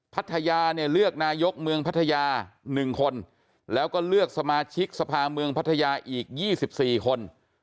พัทยาเนี่ยเลือกนายกเมืองพัทยา๑คนแล้วก็เลือกสมาชิกสภาเมืองพัทยาอีก๒๔คน